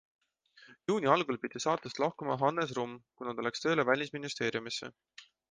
Juuni algul pidi saatest lahkuma Hannes Rumm, kuna ta läks tööle välisministeeriumisse.